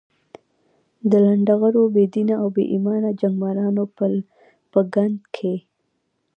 د لنډه غرو، بې دینه او بې ایمانه جنګمارانو په ګند کې.